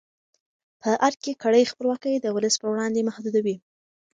په ارګ کې کړۍ خپلواکي د ولس پر وړاندې محدودوي.